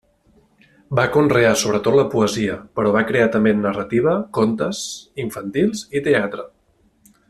Va conrear sobretot la poesia, però va crear també en narrativa, contes infantils i teatre.